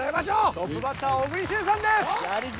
トップバッターは小栗旬さんです！